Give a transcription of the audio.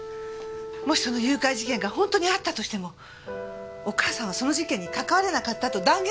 もしその誘拐事件が本当にあったとしてもお母さんはその事件に関われなかったと断言出来るの。